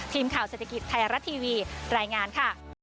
ทีมข่าวเศรษฐกิจไทยรัฐทีวีรายงานค่ะ